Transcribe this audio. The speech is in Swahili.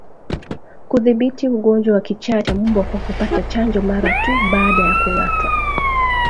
Kudhibiti ugonjwa wa kichaa cha mbwa kwa kupata chanjo mara tu baada ya kungatwa